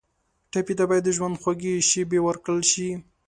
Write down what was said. ټپي ته باید د ژوند خوږې شېبې ورکړل شي.